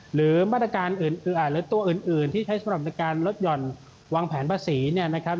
หรือตัวอื่นที่ใช้สำหรับการลดหย่อนวางแผนภาษีนะครับ